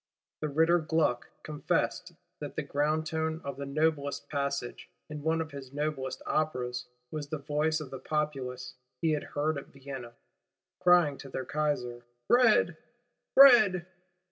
The Ritter Gluck confessed that the ground tone of the noblest passage, in one of his noblest Operas, was the voice of the Populace he had heard at Vienna, crying to their Kaiser: Bread! Bread!